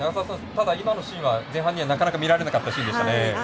ただ、今のシーンは前半には、なかなか見られなかったシーンでしたね。